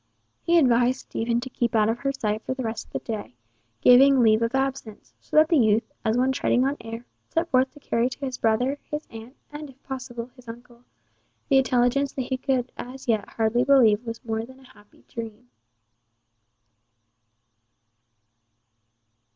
He advised Stephen to keep out of her sight for the rest of the day, giving leave of absence, so that the youth, as one treading on air, set forth to carry to his brother, his aunt, and if possible, his uncle, the intelligence that he could as yet hardly believe was more than a happy dream.